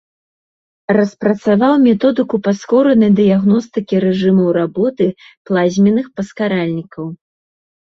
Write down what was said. Распрацаваў методыку паскоранай дыягностыкі рэжымаў работы плазменных паскаральнікаў.